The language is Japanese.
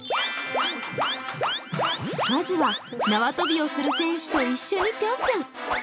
まずは縄跳びをする選手と一緒にぴょんぴょん。